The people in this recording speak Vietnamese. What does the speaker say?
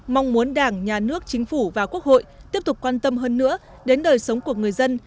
mong muốn đảng nhà nước chính phủ và quốc hội tiếp tục quan tâm hơn nữa đến đời sống của người dân